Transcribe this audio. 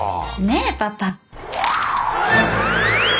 ねえパパ。